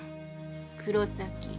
黒崎。